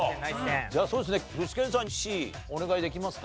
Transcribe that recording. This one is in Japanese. じゃあそうですね具志堅さんＣお願いできますか？